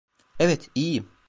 Evet, iyiyim.